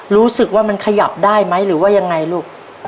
รู้สึกว่ามันขยับได้ไหมหรือว่ายังไงลูก